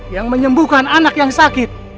yang menyembuhkan anak yang sakit